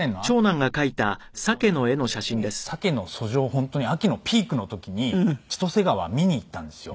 本当に秋のピークの時に千歳川見に行ったんですよ。